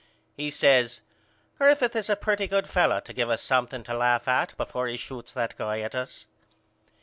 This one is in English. He says Griffith is a pretty good fellow to give us something to laugh at before he shoots that guy at us.